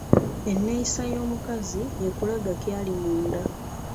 Enneeyisa y’omukazi yeekulaga ky’ali munda.